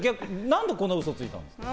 なんでこんな嘘ついたんですか？